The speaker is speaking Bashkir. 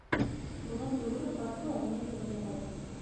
Булат йүгереп барҙы ла уны етәкләп алды.